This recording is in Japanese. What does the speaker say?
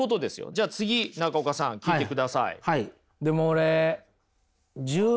じゃあ次中岡さん聞いてください。